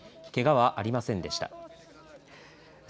けがはありませんでした。